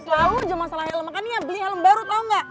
selalu aja masalah helm makanya beli helm baru tau gak